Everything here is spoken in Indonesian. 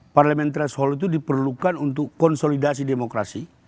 parlemen threshold itu diperlukan untuk konsolidasi demokrasi